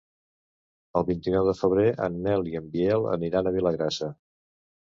El vint-i-nou de febrer en Nel i en Biel aniran a Vilagrassa.